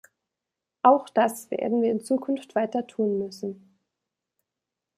Auch das werden wir in Zukunft weiter tun müssen.